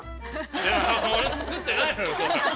◆いや、俺、作ってないのよ。